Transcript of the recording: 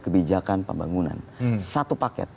kebijakan pembangunan satu paket